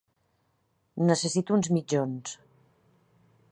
Necessito uns mitjons.